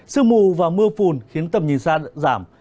sương mù và mưa phùn khiến tầm nhìn xa giảm